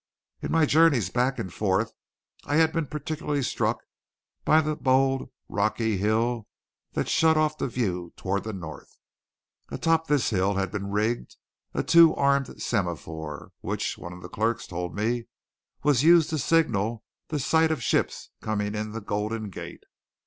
In my journeys back and forth I had been particularly struck by the bold, rocky hill that shut off the view toward the north. Atop this hill had been rigged a two armed semaphore, which, one of the clerks told me, was used to signal the sight of ships coming in the Golden Gate.